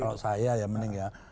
kalau saya ya mending ya